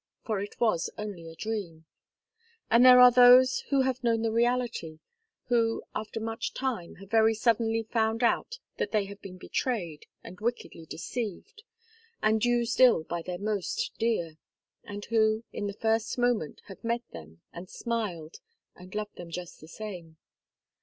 For it was only a dream. And there are those who have known the reality; who, after much time, have very suddenly found out that they have been betrayed and wickedly deceived, and used ill, by their most dear and who, in the first moment, have met them, and smiled, and loved them just the same.